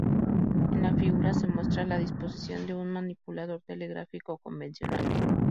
En la figura se muestra la disposición de un manipulador telegráfico convencional.